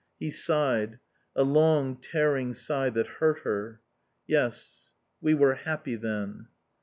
He sighed, a long, tearing sigh that hurt her. "Yes. We were happy then."